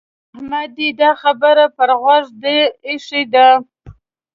احمد دې دا خبره پر غوږو در اېښې ده.